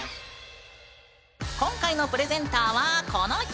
今回のプレゼンターはこの人！